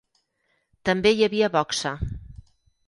També hi havia boxa.